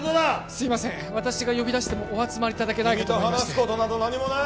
すいません私が呼び出してもお集まりいただけないかと思いまして君と話すことなど何もない！